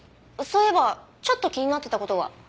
そういえばちょっと気になってた事が。